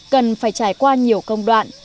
cần phải trải qua nhiều công đoạn